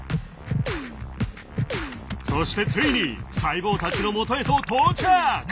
そしてついに細胞たちのもとへと到着！